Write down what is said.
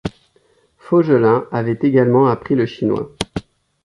Voegelin avait également appris le chinois.